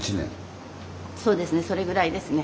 そうですねそれぐらいですね。